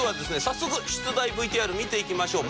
早速出題ＶＴＲ見ていきましょう。